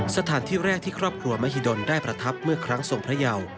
สถานที่แรกที่ครอบครัวมหิดลได้ประทับเมื่อครั้งทรงพระเยา